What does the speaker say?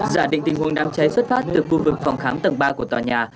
giả định tình huống đám cháy xuất phát từ khu vực phòng khám tầng ba của tòa nhà